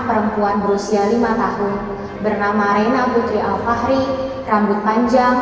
sampai jumpa di video selanjutnya